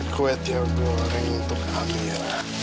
kuat yang goreng untuk amira